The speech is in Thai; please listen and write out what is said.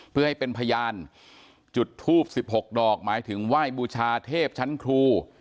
เพื่อให้เป็นพยานจุดทูบ๑๖ดอกหมายถึงไหว้บูชาเทพชั้นครู